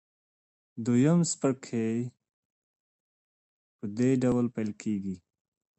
دویم څپرکی په دې ډول پیل کیږي.